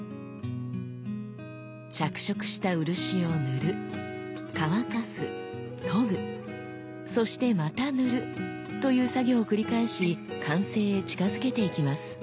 着色した漆を塗る乾かす研ぐそしてまた塗るという作業を繰り返し完成へ近づけていきます。